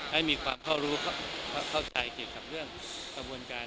ให้มีความเข้าเข้าใจเกี่ยวกับเรื่องกระบวนการ